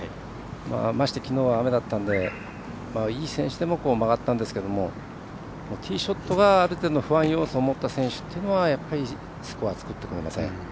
まして、きのうは雨だったので、いい選手でも曲がったんですけどティーショットがある程度の不安要素を持った選手というのはやっぱりスコア作ってこれません。